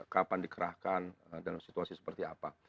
kapan dikerahkan dalam situasi seperti apa